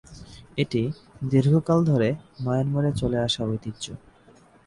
এটি দীর্ঘকাল ধরে মায়ানমারে চলে আসা ঐতিহ্য।